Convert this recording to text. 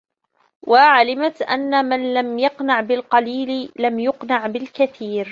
وَعَلِمَتْ أَنَّ مَنْ لَمْ يَقْنَعْ بِالْقَلِيلِ لَمْ يَقْنَعْ بِالْكَثِيرِ